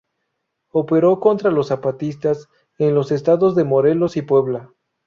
Operó contra los zapatistas en los estados de Morelos y Puebla.